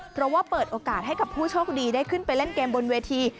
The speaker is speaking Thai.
เพราะว่าเปิดโอกาสให้กับผู้โชคดีได้ขึ้นไปเล่นเกมบนเวที